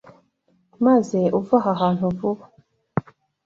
maze uve aha hantu vuba!